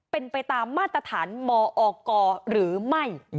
เป็นไปตามมาตรฐานมอกหรือไม่